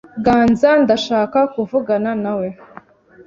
Ganza, ndashaka kuvugana nawe.